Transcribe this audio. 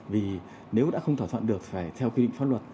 vì nếu đã không thỏa thuận được phải theo quy định pháp luật